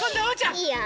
いいよ。